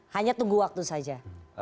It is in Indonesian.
hanya tunggu waktu saja